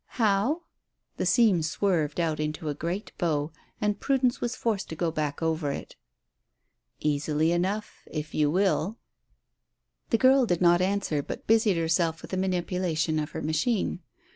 "How?" The seam swerved out into a great bow, and Prudence was forced to go back over it. "Easily enough, if you will." The girl did not answer, but busied herself with the manipulation of her machine.